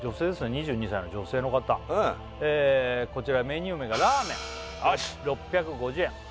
２２歳の女性の方こちらメニュー名がラーメン６５０円